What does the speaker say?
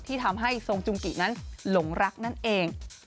ที่ทำให้ทรงจุงกินั้นหลงรักนั่นเอง